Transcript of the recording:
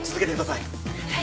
はい。